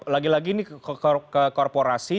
lagi lagi ini ke korporasi